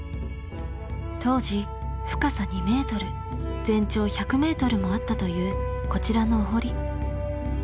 当時深さ２ｍ全長１００ｍもあったというこちらのお堀。